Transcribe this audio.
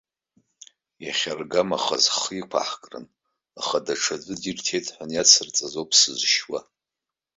Иахьаргамахаз ҳхы иаақәаҳкрын, аха даҽаӡәы дирҭеит ҳәа иацылҵаз ауп сызшьуа.